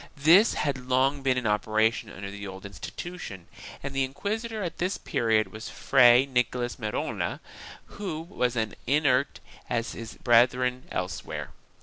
This had long been in operation under the old insti tution and the inquisitor at this period was Fray Nicolas Merola who was as inert as his brethren elsewhere.